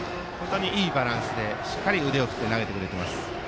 いいバランスでしっかり腕を振って投げてくれています。